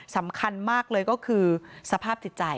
สำคัญมากเลยก็คือสภาพจิตใจ